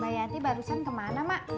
mbak yati barusan kemana mak